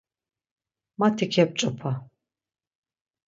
Mati kep̌ç̌opa.